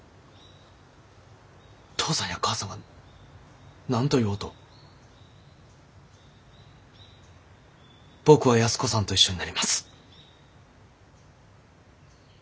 父さんや母さんが何と言おうと僕は安子さんと一緒になります。